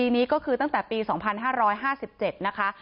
นี้ก็คือตั้งแต่ปี๒๕๕๗นะคะ